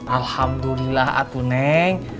alhamdulillah atu neng